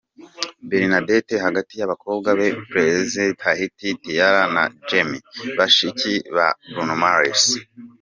Bernadette hagati y'abakobwa be Presley, Tahiti, Tiara na Jamie bashiki ba Bruno Mars.